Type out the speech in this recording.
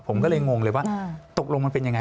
ผมก็เลยงงเลยว่าตกลงมันเป็นยังไง